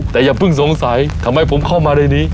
แต่อย่าเพิ่งสงสัยทำไมผมเข้ามาในนี้